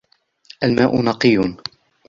الماء نقي.